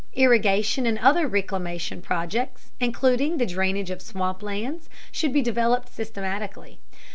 Irrigation and other reclamation projects, including the drainage of swamp lands, should be developed systematically.